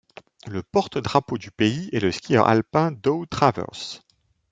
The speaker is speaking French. Le porte-drapeau du pays est le skieur alpin Dow Travers.